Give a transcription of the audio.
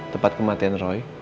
tempat kematian roy